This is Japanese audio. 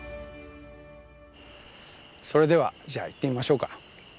それではじゃあ行ってみましょうか。